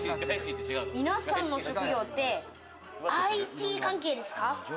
皆さんの職業って、ＩＴ関係ですか。